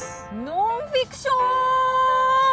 ノンフィクション。